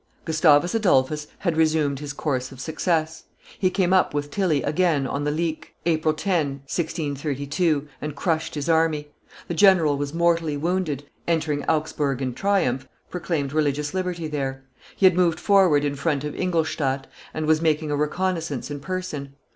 Gustavus Adolphus had resumed his course of success: he came up with Tilly again on the Leek, April 10, 1632, and crushed his army; the general was mortally wounded, and the King of Sweden, entering Augsburg in triumph, proclaimed religious liberty there. He had moved forward in front of Ingolstadt, and was making a reconnoissance in person.